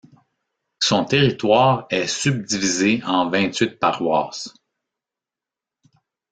Son territoire est subdivisé en vingt-huit paroisses.